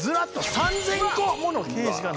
３，０００個！